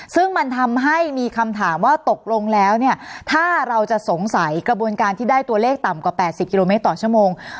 ซึ่งมันทำให้มีคำถามว่าตกลงแล้วเนี่ยถ้าเราจะสงสัยกระบวนการที่ได้ตัวเลขต่ำกว่า๘๐กิโลเมตรต่อชั่วโมง